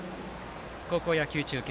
高校野球中継